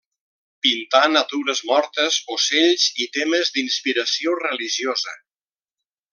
Pintà natures mortes, ocells i temes d'inspiració religiosa.